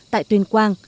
tại tuyền quang